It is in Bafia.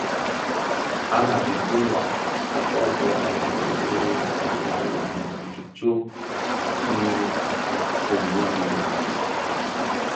Anë a Victoria kodo a iloň ki Tanzania dhi bi tsog ki a Kongo Democratique.